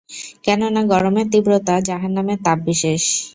কেননা গরমের তীব্রতা জাহান্নামের তাপ বিশেষ।